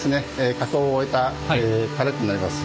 加工を終えたパレットになります。